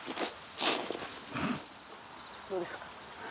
どうですか？